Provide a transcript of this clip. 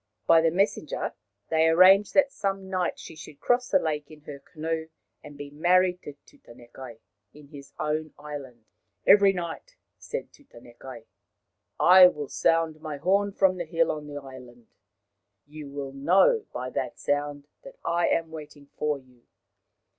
By the messenger they arranged that some night she should cross the lake in her canoe and be married to Tutanekai in his own island. " Every night," said Tutanekai, " I will sound my horn from the hill on the island. You will know 239 240 Maoriland Fairy Tales by that sound that I am waiting for you.